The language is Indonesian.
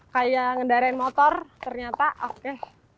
kayak ngendarain motor ternyata oke